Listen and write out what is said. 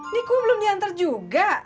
niko belum dianter juga